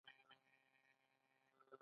ایا زه هندواڼه وخورم؟